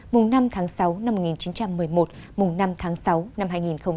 mùng năm tháng sáu năm một nghìn chín trăm một mươi một mùng năm tháng sáu năm hai nghìn hai mươi